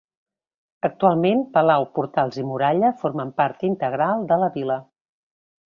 Actualment, palau, portals i muralla formen part integral de la vila.